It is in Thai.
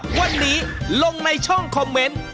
วันนี้ลงในช่องคอมเมนต์